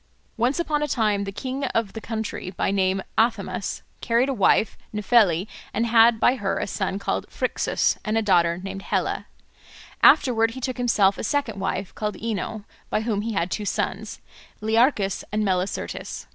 Once upon a time the king of the country, by name Athamas, married a wife Nephele, and had by her a son called Phrixus and a daughter named Helle. Afterwards he took to himself a second wife called Ino, by whom he had two sons, Learchus and Melicertes.